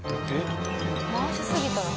回しすぎた。